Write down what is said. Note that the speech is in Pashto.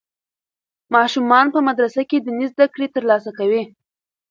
ماشومان په مدرسه کې دیني زده کړې ترلاسه کوي.